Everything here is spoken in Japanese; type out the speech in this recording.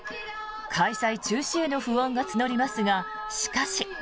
開催中止への不安が募りますがしかし。